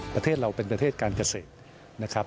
ประเทศเราเป็นประเทศการเกษตรนะครับ